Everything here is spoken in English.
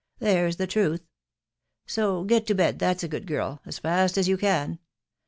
there's the truth ;..*. so get 4s> asd tbatfe a good girl, as fast as you can. .